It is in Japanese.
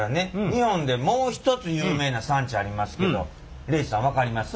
日本でもう一つ有名な産地ありますけど礼二さん分かります？